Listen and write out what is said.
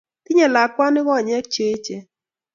Tinyei lakwani konyek che eechen